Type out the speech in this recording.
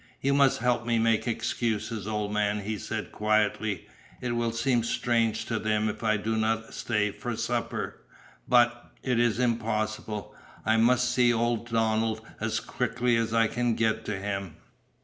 "You must help me make excuses, old man," he said quietly. "It will seem strange to them if I do not stay for supper. But it is impossible. I must see old Donald as quickly as I can get to him."